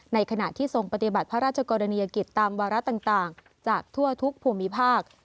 ในขณะที่ทรงปฏิบัติพระราชกรณียกิจตามวาระต่างจากทั่วทุกภูมิภาค